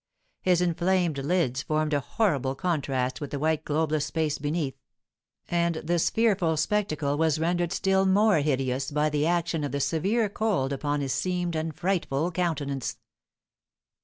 His inflamed lids formed a horrible contrast with the white globeless space beneath; and this fearful spectacle was rendered still more hideous by the action of the severe cold upon his seamed and frightful countenance.